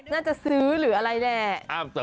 น่าจะซื้อหรืออะไรแน่